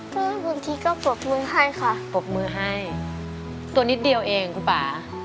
ก็บางทีก็ปรบมือให้ค่ะปรบมือให้ตัวนิดเดียวเองคุณป่า